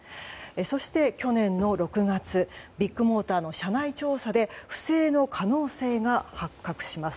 そして、去年の６月ビッグモーターの社内調査で不正の可能性が発覚します。